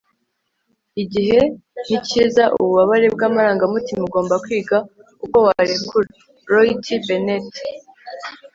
igihe ntikiza ububabare bw'amarangamutima, ugomba kwiga uko warekura - roy t bennett